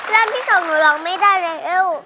แล้วแล้วพี่สาวหนูร้องไม่ได้แล้ว